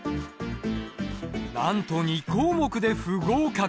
なんと２項目で不合格。